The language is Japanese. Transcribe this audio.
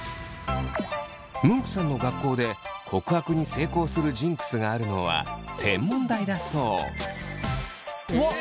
ムンクさんの学校で告白に成功するジンクスがあるのは天文台だそう。